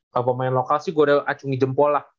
kalau pemain lokal sih gue udah acungi jempol lah